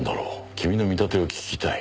君の見立てを聞きたい。